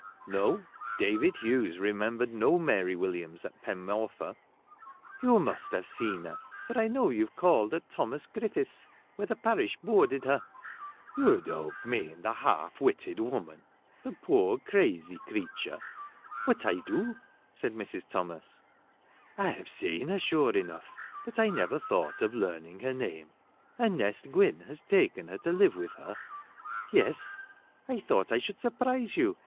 No ! David Hughes remembered no Mary Williams at Pen Morfa. "You must have seen her, for I know you've called at Thomas Griffiths', where the parish boarded her ?"" You don't mean the half witted woman — the poor crazy creature !" "But I do!" said Mrs. Thomas. " I have seen her sure enough, but I never thought of learning her name. And Nest Gwynn has taken her to live with her." " Yes ! I thought I should surprise you.